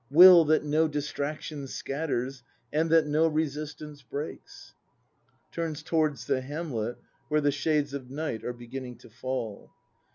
Will, that no distraction scatters. And that no resistance breaks. — [Turns towards the hamlet, where the shades of night are beginning to fall.